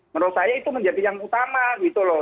menurut saya itu menjadi yang utama gitu loh